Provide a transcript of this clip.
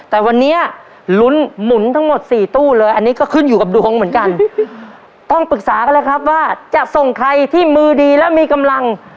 แต่วันนี้ลุ้นหมุนทั้งหมดสี่ตู้เลยอันนี้ก็ขึ้นอยู่กับดวงเหมือนกันต้องปรึกษากันเลยครับว่าจะส่งใครที่มือดีและมีกำลัง